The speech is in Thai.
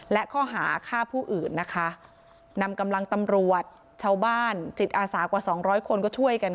และข้อหาฆ่าผู้อื่นนะคะนำกำลังตำรวจชาวบ้านจิตอาสากว่าสองร้อยคนก็ช่วยกัน